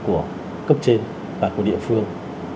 của cấp trên và của địa phương